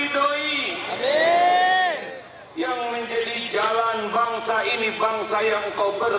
tidak boleh membuat kita takabur